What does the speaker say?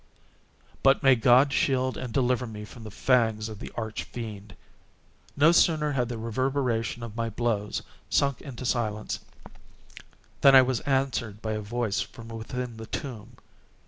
But may God shield and deliver me from the fangs of the Arch Fiend! No sooner had the reverberation of my blows sunk into silence, than I was answered by a voice from within the tomb!